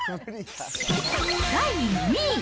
第２位。